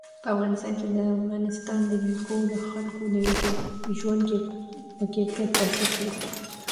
په افغانستان کې د افغانستان جلکو د خلکو د ژوند په کیفیت تاثیر کوي.